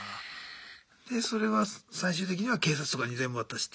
でそれは最終的には警察とかに全部渡して。